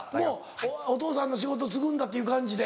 もうお父さんの仕事継ぐんだっていう感じで？